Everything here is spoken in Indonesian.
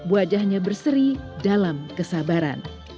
wajahnya berseri dalam kesabaran